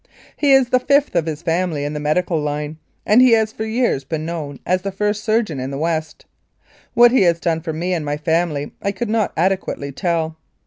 He is the fifth of his family in the medical line, and he has for years been known as the first surgeon in the West. What he has done for me and my family I could not adequately tell.